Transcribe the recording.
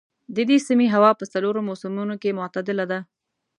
د دې سیمې هوا په څلورو موسمونو کې معتدله ده.